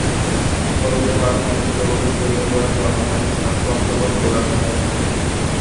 কলেজে পা দিয়েই সক্রিয়ভাবে জড়িয়ে পড়েন বামপন্থী ছাত্র আন্দোলন ও রাজনীতিতে।